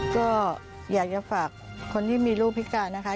ก็อยากจะฝากคนที่มีลูกพิการนะคะ